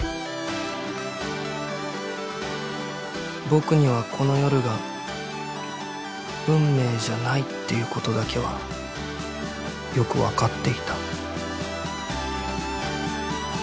僕にはこの夜が運命じゃないっていうことだけはげっ！